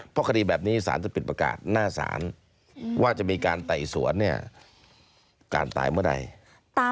เพราะคดีแบบนี้สารจะปิดประกาศหน้าศาลว่าจะมีการไต่สวนเนี่ยการตายเมื่อใด